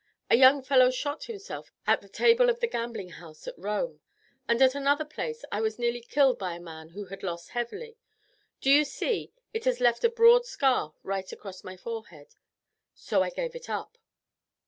A young fellow shot himself at the table of the gambling house at Rome, and at another place I was nearly killed by a man who had lost heavily do you see, it has left a broad scar right across my forehead? so I gave it up.